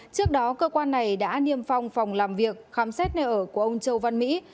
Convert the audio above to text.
trước đó cơ quan này đã niêm phong phòng làm việc khám xét nơi ở của ông châu văn mỹ